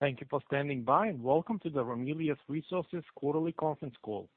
Thank you for standing by, and welcome to the Ramelius Resources quarterly conference call.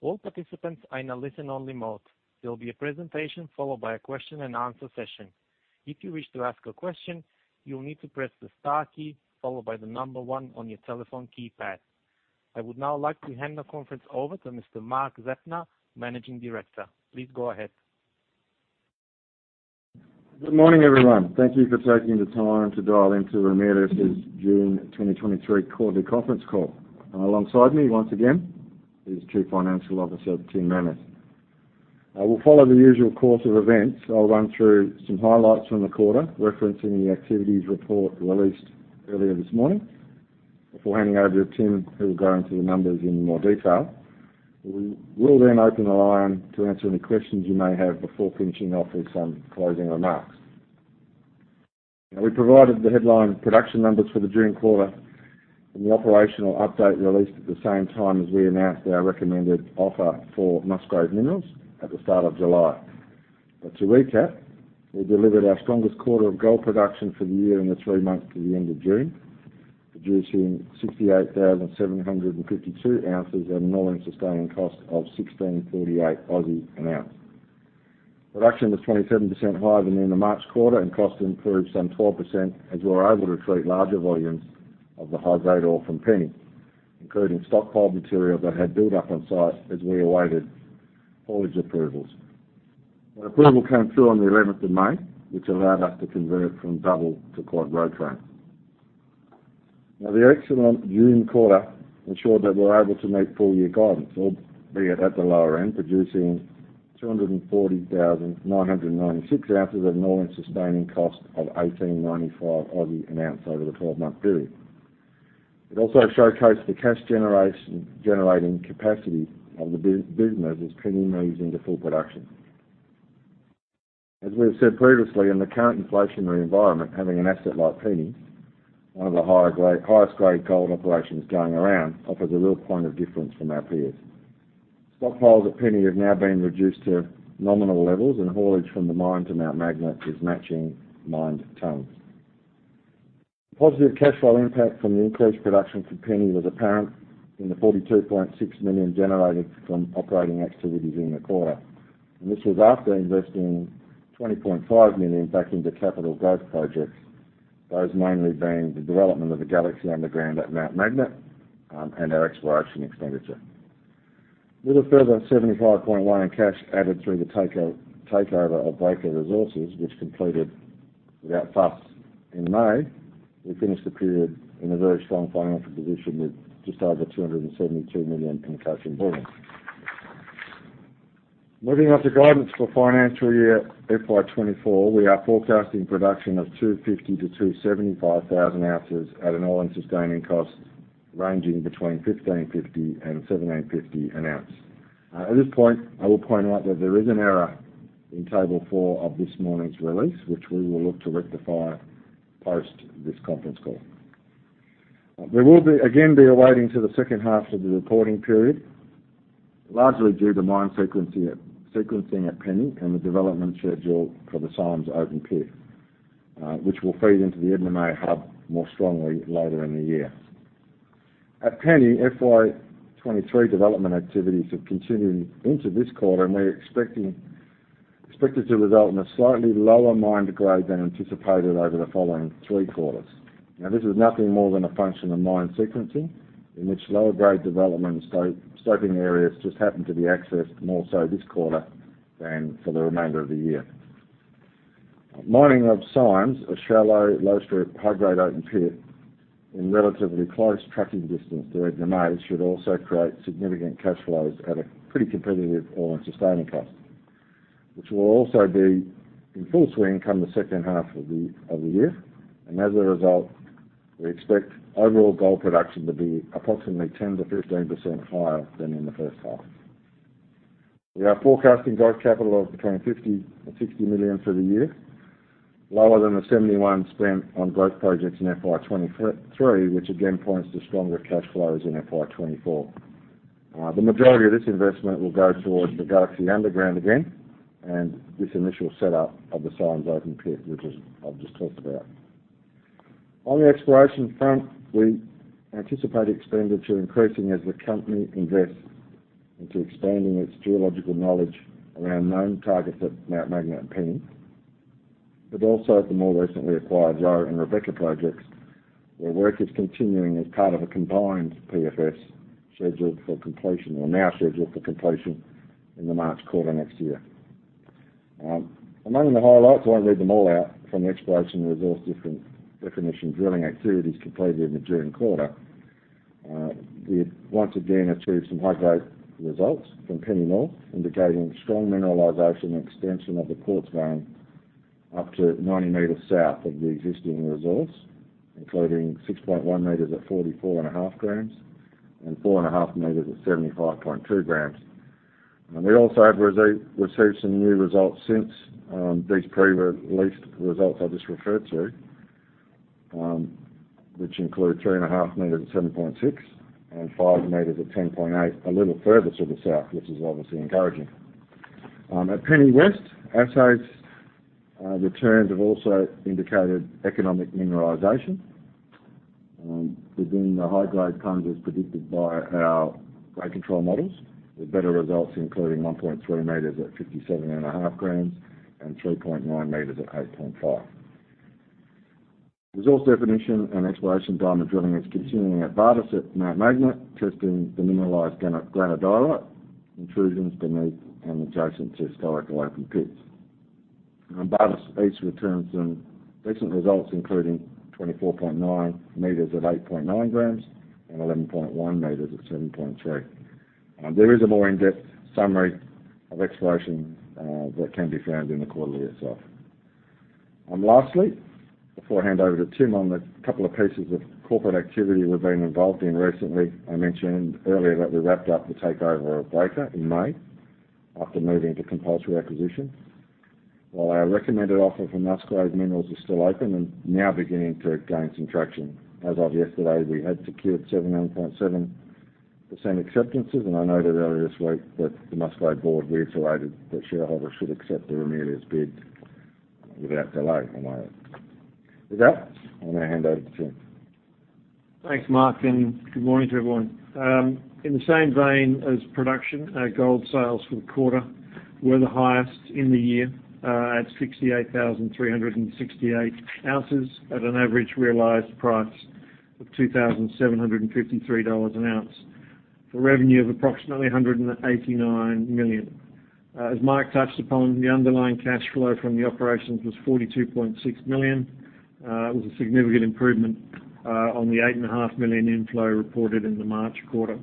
All participants are in a listen-only mode. There will be a presentation followed by a question-and-answer session. If you wish to ask a question, you'll need to press the star key followed by one on your telephone keypad. I would now like to hand the conference over to Mr. Mark Zeptner, Managing Director. Please go ahead. Good morning, everyone. Thank you for taking the time to dial into Ramelius's June 2023 quarterly conference call. Alongside me once again is Chief Financial Officer, Tim Manners. I will follow the usual course of events. I'll run through some highlights from the quarter, referencing the activities report released earlier this morning, before handing over to Tim, who will go into the numbers in more detail. We will then open the line to answer any questions you may have, before finishing off with some closing remarks. We provided the headline production numbers for the June quarter, and the operational update released at the same time as we announced our recommended offer for Musgrave Minerals at the start of July. To recap, we delivered our strongest quarter of gold production for the year in the three months to the end of June, producing 68,752 ounces at an All-In Sustaining Cost of 1,648 an ounce. Production was 27% higher than in the March quarter, and costs improved some 12%, as we were able to treat larger volumes of the high-grade ore from Penny, including stockpile material that had built up on site as we awaited haulage approvals. The approval came through on the 11th of May, which allowed us to convert from double to quad road train. The excellent June quarter ensured that we're able to meet full-year guidance, albeit at the lower end, producing 240,996 ounces at an All-In Sustaining Cost of 1,895 an ounce over the 12-month period. It also showcased the cash generating capacity of the business as Penny moves into full production. As we have said previously, in the current inflationary environment, having an asset like Penny, one of the highest grade gold operations going around, offers a real point of difference from our peers. Stockpiles at Penny have now been reduced to nominal levels, and haulage from the mine to Mt Magnet is matching mined tons. Positive cash flow impact from the increased production from Penny was apparent in the 42.6 million generated from operating activities in the quarter, and this was after investing 20.5 million back into capital growth projects. Those mainly being the development of the Galaxy underground at Mt Magnet, and our exploration expenditure. With a further 75.1 million in cash added through the takeover of Breaker Resources, which completed without fuss in May, we finished the period in a very strong financial position with just over 272 million in cash in hand. Moving on to guidance for financial year FY24, we are forecasting production of 250,000-275,000 ounces at an All-In Sustaining Cost, ranging between 1,550 and 1,750 an ounce. At this point, I will point out that there is an error in Table 4 of this morning's release, which we will look to rectify post this conference call. There will again be a weighting to the second half of the reporting period, largely due to mine sequencing at Penny and the development schedule for the Symes open pit, which will feed into the Edna May hub more strongly later in the year. At Penny, FY23 development activities have continued into this quarter, We're expected to result in a slightly lower mined grade than anticipated over the following 3 quarters. Now, this is nothing more than a function of mine sequencing, in which lower grade development stoping areas just happen to be accessed more so this quarter than for the remainder of the year. Mining of Symes, a shallow, low-strip, high-grade open pit in relatively close trucking distance to Edna May, should also create significant cash flows at a pretty competitive All-In Sustaining Cost, which will also be in full swing come the second half of the year. As a result, we expect overall gold production to be approximately 10%-15% higher than in the first half. We are forecasting growth capital of between 50 million and 60 million for the year, lower than the 71 million spent on growth projects in FY23, which again points to stronger cash flows in FY24. The majority of this investment will go towards the Galaxy underground again, and this initial setup of the Symes open pit, which is... I've just talked about. On the exploration front, we anticipate expenditure increasing as the company invests into expanding its geological knowledge around known targets at Mt Magnet and Penny, but also at the more recently acquired Roe and Rebecca projects, where work is continuing as part of a combined PFS, now scheduled for completion in the March quarter next year. Among the highlights, I won't read them all out, from the exploration resource, different definition, drilling activities completed in the June quarter. We once again achieved some high-grade results from Penny North, indicating strong mineralization and extension of the quartz vein up to 90 meters south of the existing resource, including 6.1 meters at 44.5 grams and 4.5 meters at 75.2 grams. We also have received some new results since these pre-released results I just referred to, which include 3.5 meters at 7.6 and 5 meters at 10.8, a little further to the south, which is obviously encouraging. At Penny West, assays, returns have also indicated economic mineralization. We're getting the high-grade tones as predicted by our grade control models, with better results, including 1.3 meters at 57.5 grams and 3.9 meters at 8.5. Resource definition and exploration diamond drilling is continuing at Bartus at Mount Magnet, testing the mineralized granodiorite intrusions beneath and adjacent to historical open pits. Bartus East returns some decent results, including 24.9 meters at 8.9 grams and 11.1 meters at 7.3. There is a more in-depth summary of exploration that can be found in the quarterly itself. Lastly, before I hand over to Tim, on the couple of pieces of corporate activity we've been involved in recently, I mentioned earlier that we wrapped up the takeover of Breaker in May after moving to compulsory acquisition. Our recommended offer from Musgrave Minerals is still open and now beginning to gain some traction. As of yesterday, we had secured 71.7% acceptances. I noted earlier this week that the Musgrave board reiterated that shareholders should accept the Ramelius bid without delay. With that, I'm going to hand over to Tim. Thanks, Mark. Good morning to everyone. In the same vein as production, our gold sales for the quarter were the highest in the year, at 68,368 ounces, at an average realized price of 2,753 dollars an ounce. The revenue of approximately 189 million. As Mark touched upon, the underlying cash flow from the operations was 42.6 million. It was a significant improvement on the eight and a half million inflow reported in the March quarter.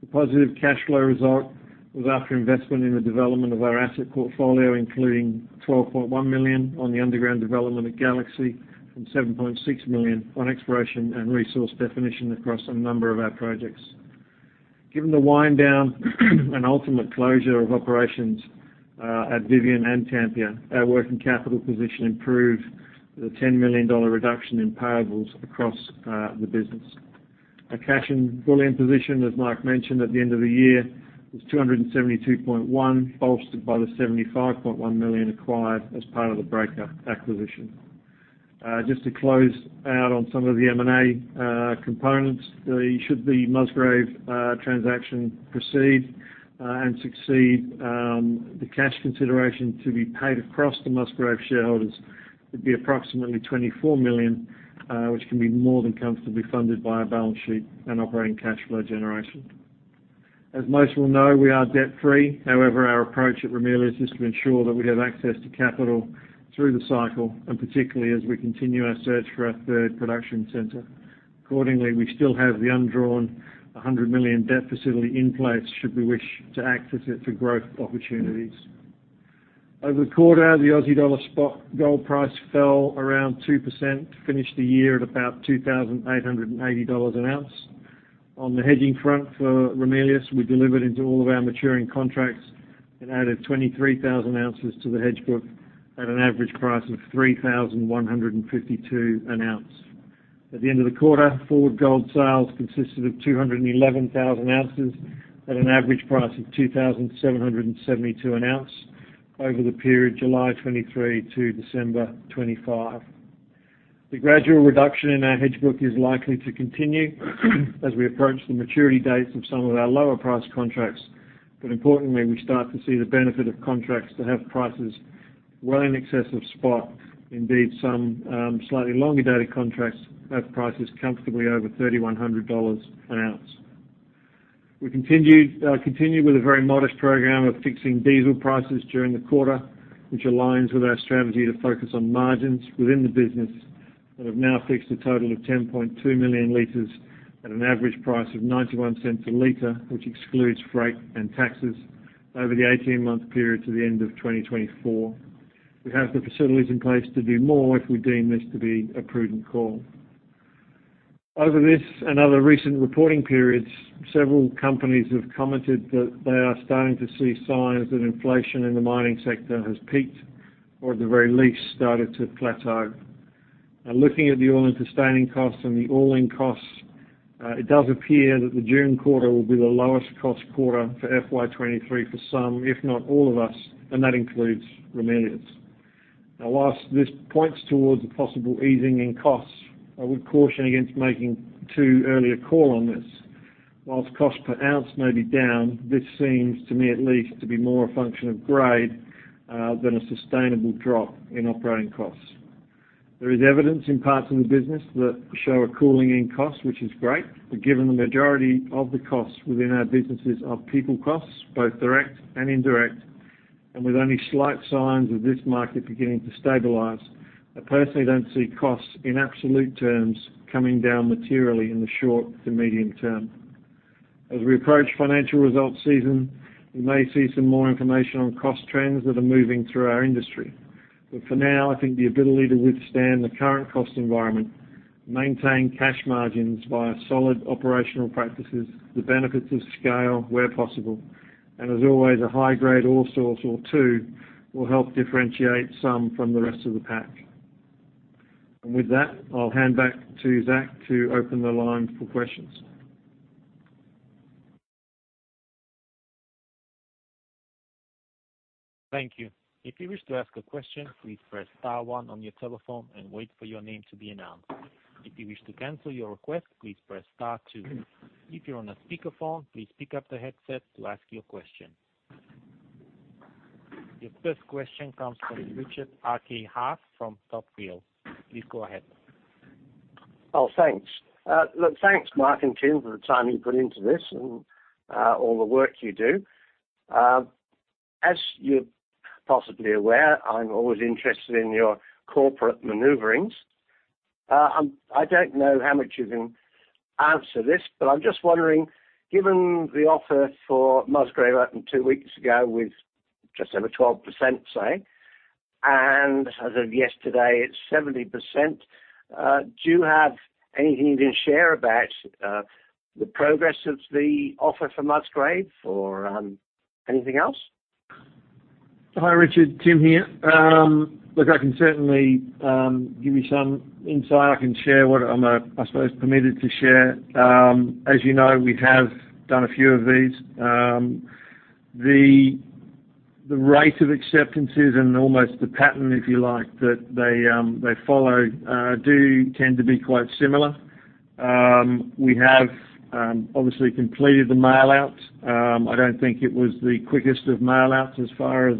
The positive cash flow result was after investment in the development of our asset portfolio, including 12.1 million on the underground development at Galaxy and 7.6 million on exploration and resource definition across a number of our projects. Given the wind down and ultimate closure of operations at Vivian and Tampia, our working capital position improved the 10 million dollar reduction in payables across the business. Our cash and bullion position, as Mark mentioned, at the end of the year, was 272.1 million, bolstered by the 75.1 million acquired as part of the Breaker acquisition. Just to close out on some of the M&A components, should the Musgrave transaction proceed and succeed, the cash consideration to be paid across the Musgrave shareholders would be approximately 24 million, which can be more than comfortably funded by our balance sheet and operating cash flow generation. As most will know, we are debt-free. Our approach at Ramelius is to ensure that we have access to capital through the cycle, and particularly as we continue our search for our third production center. We still have the undrawn 100 million debt facility in place should we wish to access it for growth opportunities. Over the quarter, the Aussie dollar spot gold price fell around 2%, finished the year at about 2,880 dollars an ounce. On the hedging front for Ramelius, we delivered into all of our maturing contracts and added 23,000 ounces to the hedge book at an average price of 3,152 an ounce. At the end of the quarter, forward gold sales consisted of 211,000 ounces at an average price of 2,772 an ounce over the period July 2023 to December 2025. The gradual reduction in our hedge book is likely to continue as we approach the maturity dates of some of our lower-priced contracts. Importantly, we start to see the benefit of contracts that have prices well in excess of spot. Indeed, some slightly longer-dated contracts have prices comfortably over 3,100 dollars an ounce. We continued with a very modest program of fixing diesel prices during the quarter, which aligns with our strategy to focus on margins within the business, and have now fixed a total of 10.2 million liters at an average price of 0.91 a liter, which excludes freight and taxes over the 18-month period to the end of 2024. We have the facilities in place to do more, if we deem this to be a prudent call. Over this and other recent reporting periods, several companies have commented that they are starting to see signs that inflation in the mining sector has peaked, or at the very least, started to plateau. Looking at the All-In Sustaining Costs and the all-in costs, it does appear that the June quarter will be the lowest cost quarter for FY23 for some, if not all, of us, and that includes Ramelius. Whilst this points towards a possible easing in costs, I would caution against making too early a call on this. Cost per ounce may be down, this seems, to me at least, to be more a function of grade than a sustainable drop in operating costs. There is evidence in parts of the business that show a cooling in costs, which is great, but given the majority of the costs within our businesses are people costs, both direct and indirect, and with only slight signs of this market beginning to stabilize, I personally don't see costs in absolute terms coming down materially in the short to medium term. As we approach financial results season, we may see some more information on cost trends that are moving through our industry. For now, I think the ability to withstand the current cost environment, maintain cash margins via solid operational practices, the benefits of scale where possible, and as always, a high-grade ore source or two, will help differentiate some from the rest of the pack. With that, I'll hand back to Zach to open the line for questions. Thank you. If you wish to ask a question, please press star one on your telephone and wait for your name to be announced. If you wish to cancel your request, please press star two. If you're on a speakerphone, please pick up the headset to ask your question. Your first question comes from Richard Hatch from Berenberg. Please go ahead. Thanks. Look, thanks, Mark and Tim, for the time you put into this and all the work you do. As you're possibly aware, I'm always interested in your corporate maneuverings. I don't know how much you can answer this, but I'm just wondering, given the offer for Musgrave two weeks ago, with just over 12%, say, and as of yesterday, it's 70%, do you have anything you can share about the progress of the offer for Musgrave or anything else? Hi, Richard. Tim here. Look, I can certainly give you some insight. I can share what I'm, I suppose, permitted to share. As you know, we have done a few of these. The rate of acceptances and almost the pattern, if you like, that they follow, do tend to be quite similar. We have obviously completed the mail out. I don't think it was the quickest of mail outs as far as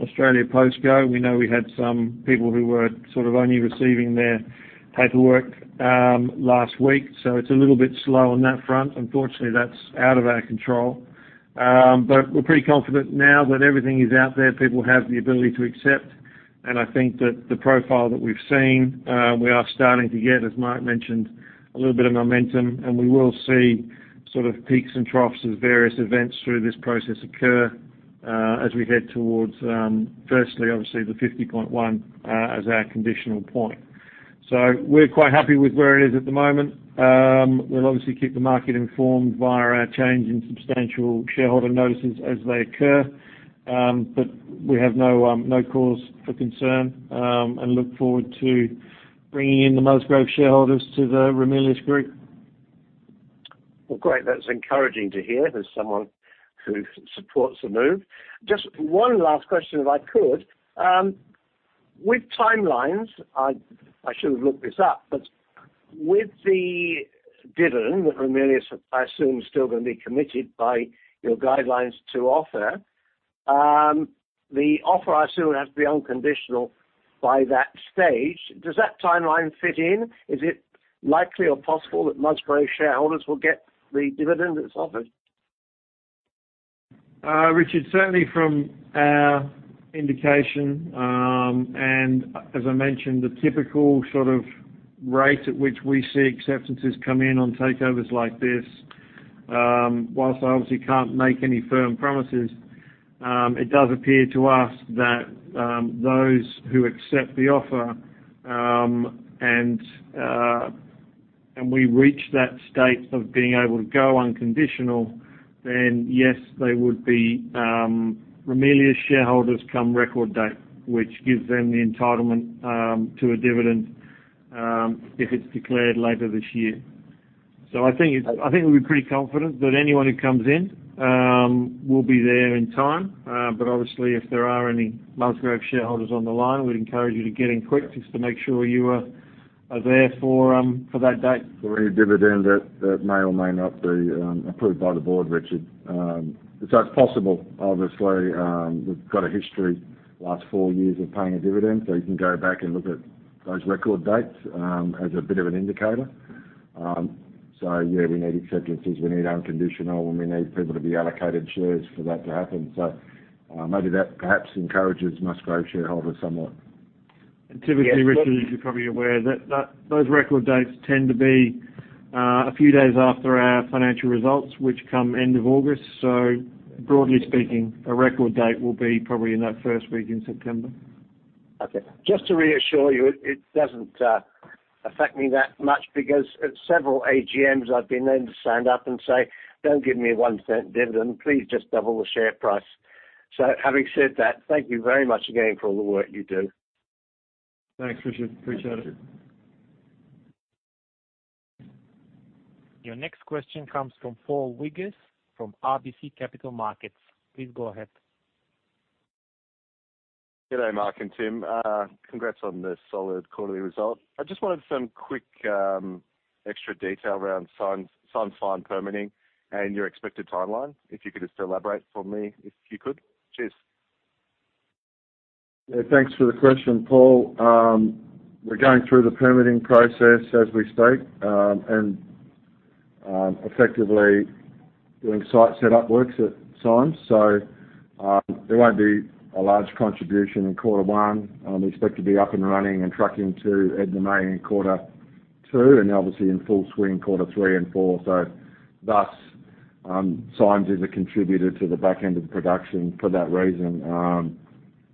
Australia Post go. We know we had some people who were sort of only receiving their paperwork last week, so it's a little bit slow on that front. Unfortunately, that's out of our control. We're pretty confident now that everything is out there, people have the ability to accept, and I think that the profile that we've seen, we are starting to get, as Mark mentioned, a little bit of momentum, and we will see sort of peaks and troughs as various events through this process occur, as we head towards, firstly, obviously, the 50.1, as our conditional point. We're quite happy with where it is at the moment. We'll obviously keep the market informed via our change in substantial shareholder notices as they occur. We have no cause for concern, and look forward to bringing in the Musgrave shareholders to the Ramelius group. Great. That's encouraging to hear, as someone who supports the move. Just one last question, if I could. With timelines, I should have looked this up, but with the dividend, that Ramelius, I assume, is still going to be committed by your guidelines to offer, the offer, I assume, has to be unconditional by that stage. Does that timeline fit in? Is it likely or possible that Musgrave shareholders will get the dividend that's offered? Richard, certainly from our indication, and as I mentioned, the typical sort of rate at which we see acceptances come in on takeovers like this, whilst I obviously can't make any firm promises, it does appear to us that those who accept the offer, and we reach that state of being able to go unconditional, then yes, they would be Ramelius shareholders come record date, which gives them the entitlement to a dividend if it's declared later this year. I think we're pretty confident that anyone who comes in will be there in time. Obviously, if there are any Musgrave shareholders on the line, we'd encourage you to get in quick, just to make sure you are there for that date. For any dividend that may or may not be approved by the board, Richard. It's possible. Obviously, we've got a history the last 4 years of paying a dividend, so you can go back and look at those record dates as a bit of an indicator. Yeah, we need acceptances, we need unconditional, and we need people to be allocated shares for that to happen. Maybe that perhaps encourages Musgrave shareholders somewhat. Typically, Richard, as you're probably aware, that those record dates tend to be a few days after our financial results, which come end of August. Broadly speaking, a record date will be probably in that first week in September. Just to reassure you, it doesn't affect me that much because at several AGMs, I've been known to stand up and say, "Don't give me an 0.01 dividend. Please just double the share price." Having said that, thank you very much again for all the work you do. Thanks, Richard. Appreciate it. Your next question comes from Paul Wiggins, from RBC Capital Markets. Please go ahead. G'day, Mark and Tim. congrats on the solid quarterly result. I just wanted some quick extra detail around Symes mine permitting and your expected timeline. If you could just elaborate for me, if you could. Cheers. Yeah, thanks for the question, Paul. We're going through the permitting process as we speak, and effectively doing site setup works at Symes. There won't be a large contribution in quarter one. We expect to be up and running and trucking to Edna May in quarter two and obviously in full swing, quarter three and four. Thus, Symes is a contributor to the back end of the production for that reason.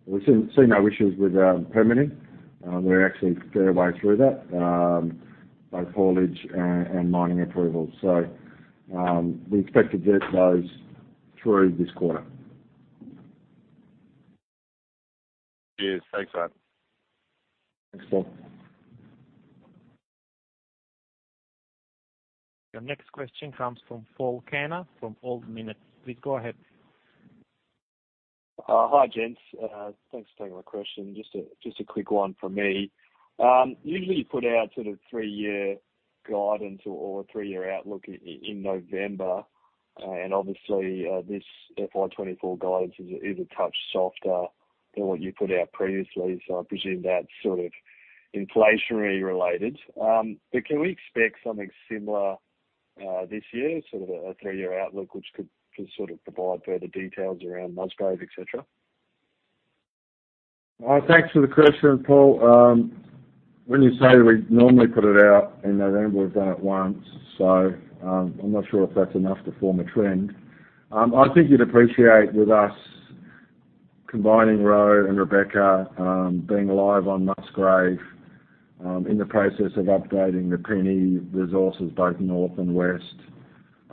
We've seen no issues with permitting. We're actually fair way through that, both haulage and mining approvals. We expect to get those through this quarter. Cheers. Thanks, mate. Thanks, Paul. Your next question comes from Paul Turner, from Ord Minnett. Please go ahead. Hi, gents. Thanks for taking my question. Just a quick one from me. Usually you put out sort of 3-year guidance or a 3-year outlook in November. Obviously, this FY24 guidance is a touch softer than what you put out previously, so I presume that's sort of inflationary related. Can we expect something similar this year, sort of a 3-year outlook, which could sort of provide further details around Musgrave, et cetera? Thanks for the question, Paul. When you say we normally put it out in November, we've done it once, so I'm not sure if that's enough to form a trend. I think you'd appreciate with us combining Roe and Rebecca, being live on Musgrave, in the process of updating the Penny resources, both North and West.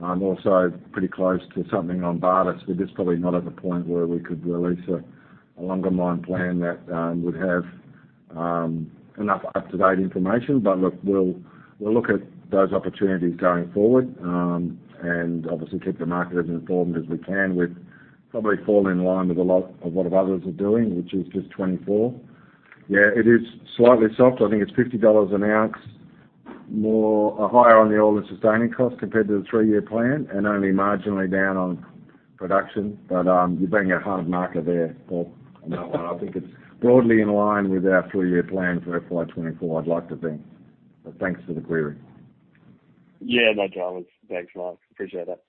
Also pretty close to something on Barlass, we're just probably not at the point where we could release a longer mine plan that would have enough up-to-date information. Look, we'll look at those opportunities going forward, and obviously keep the market as informed as we can. We're probably falling in line with a lot of what others are doing, which is just 24. Yeah, it is slightly soft. I think it's 50 dollars an ounce, higher on the All-In Sustaining Cost compared to the three-year plan, and only marginally down on production. You're being a hard marker there, Paul. I know, I think it's broadly in line with our three-year plan for FY24, I'd like to think. Thanks for the query. Yeah, no dramas. Thanks, Mark. Appreciate it.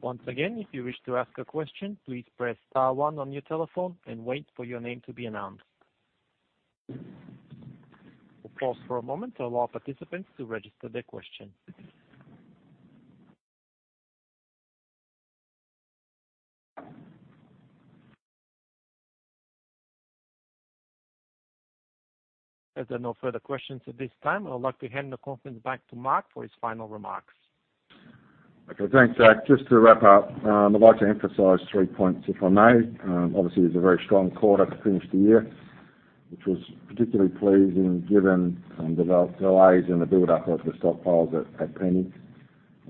Once again, if you wish to ask a question, please press star one on your telephone and wait for your name to be announced. We'll pause for a moment to allow participants to register their question. As there are no further questions at this time, I would like to hand the conference back to Mark for his final remarks. Okay, thanks, Zach. Just to wrap up, I'd like to emphasize three points, if I may. Obviously, it's a very strong quarter to finish the year, which was particularly pleasing, given the delays in the buildup of the stockpiles at Penny.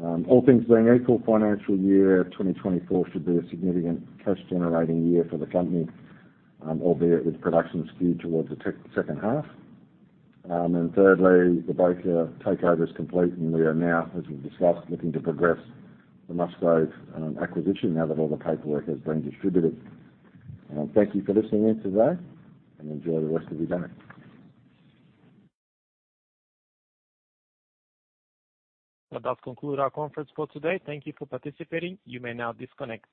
All things being equal, FY24 should be a significant cash-generating year for the company, albeit with production skewed towards the second half. Thirdly, the Breaker takeover is complete, and we are now, as we've discussed, looking to progress the Musgrave acquisition now that all the paperwork has been distributed. Thank you for listening in today, and enjoy the rest of your day. That does conclude our conference for today. Thank you for participating. You may now disconnect.